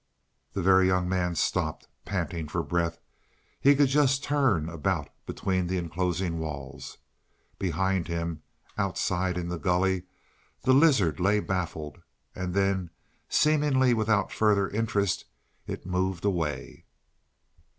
The Very Young Man stopped panting for breath. He could just turn about between the enclosing walls. Behind him, outside in the gully, the lizard lay baffled. And then, seemingly without further interest, it moved away.